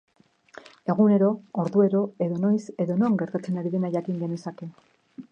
Egunero, orduero, edonoiz edonon gertatzen ari dena jakin genezake.